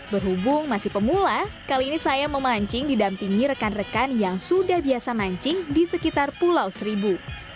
berhubung masih pemula kali ini saya memancing didampingi rekan rekan yang sudah biasa mancing di sekitar pulau seribu